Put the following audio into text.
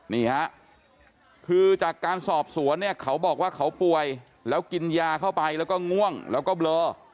นี่ฮะคือจากการสอบสวนเนี่ยเขาบอกว่าเขาป่วยแล้วกินยาเข้าไปแล้วก็ง่วงแล้วก็เบลอ